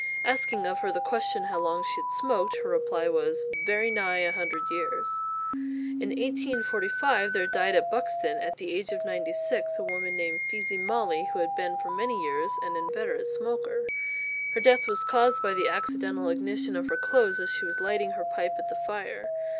Asking of her the question how long she had smoked, her reply was 'Vary nigh a hundred years'!" In 1845 there died at Buxton, at the age of ninety six, a woman named Pheasy Molly, who had been for many years an inveterate smoker. Her death was caused by the accidental ignition of her clothes as she was lighting her pipe at the fire.